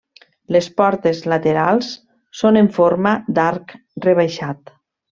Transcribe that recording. Les portes laterals són en forma d'arc rebaixat.